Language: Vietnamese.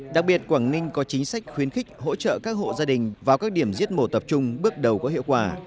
đặc biệt quảng ninh có chính sách khuyến khích hỗ trợ các hộ gia đình vào các điểm giết mổ tập trung bước đầu có hiệu quả